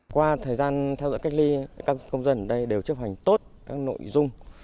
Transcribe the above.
qua thời gian theo dõi cách ly các công dân ở đây đều chấp hành tốt các nội dung